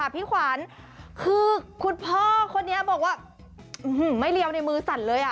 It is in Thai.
พี่ขวัญคือคุณพ่อคนนี้บอกว่าไม่เรียวในมือสั่นเลย